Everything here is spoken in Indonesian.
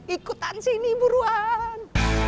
ikutan sini buruan